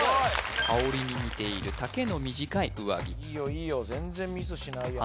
羽織に似ている丈の短い上着いいよいいよ全然ミスしないやん